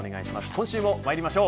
今週もまいりましょう。